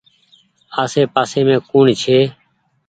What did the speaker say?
آسي پآسي مين ڪوڻ ڇي۔